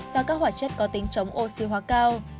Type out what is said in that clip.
và các hoạt chất có tính chống oxy hóa cao